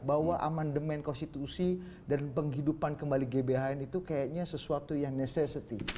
bahwa amandemen konstitusi dan penghidupan kembali gbhn itu kayaknya sesuatu yang necessity